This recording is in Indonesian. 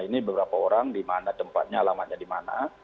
ini beberapa orang di mana tempatnya alamatnya di mana